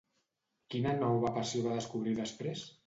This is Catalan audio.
Quina nova passió va descobrir després?